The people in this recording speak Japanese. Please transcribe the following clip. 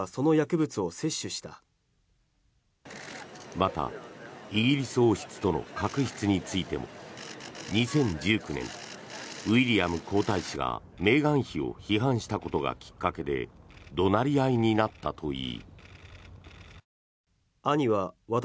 またイギリス王室との確執についても２０１９年、ウィリアム皇太子がメーガン妃を批判したことがきっかけで怒鳴り合いになったといい。